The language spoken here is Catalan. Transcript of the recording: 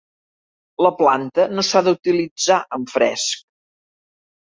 La planta no s'ha d'utilitzar en fresc.